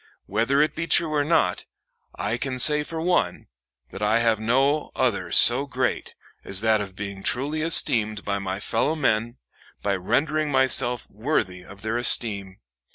Whether it be true or not, I can say for one, that I have no other so great as that of being truly esteemed of my fellow men, by rendering myself worthy of their esteem.